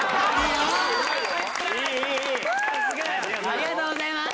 ありがとうございます！